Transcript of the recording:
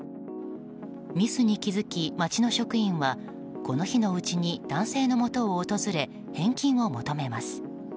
ミスに気づき町の職員はこの日のうちに男性のもとを訪れ返金を求めます。